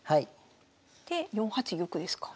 で４八玉ですか。